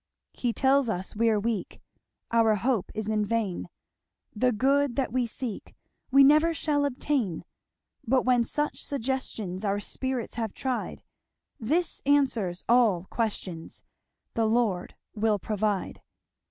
"He tells us we're weak, Our hope is in vain, The good that we seek We ne'er shall obtain; But when such suggestions Our spirits have tried, This answers all questions. 'The Lord will provide.'